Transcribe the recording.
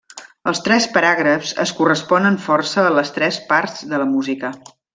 Els tres paràgrafs es corresponen força a les tres parts de la música.